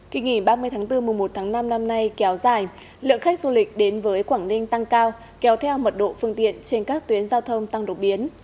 kỷ nghỉ ba mươi bốn một mươi một năm năm nay kéo dài lượng khách du lịch đến với quảng ninh tăng cao kéo theo mật độ phương tiện trên các tuyến giao thông tăng độ biến